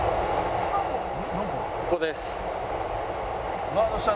ここです。